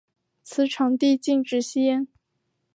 此场地禁止吸烟。